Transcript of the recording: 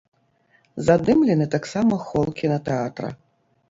Задымлены таксама хол кінатэатра.